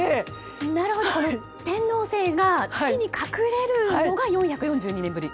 天王星が月に隠れるのが４４２年ぶり。